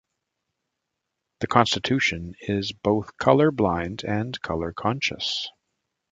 The Constitution is both color blind and color conscious.